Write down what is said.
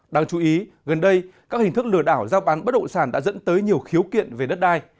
đáng chú ý gần đây các hình thức lừa đảo giao bán bất động sản đã dẫn tới nhiều khiếu kiện về đất đai